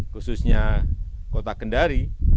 khususnya kota kendari